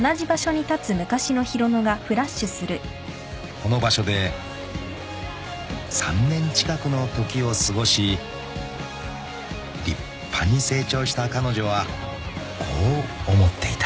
［この場所で３年近くの時を過ごし立派に成長した彼女はこう思っていた］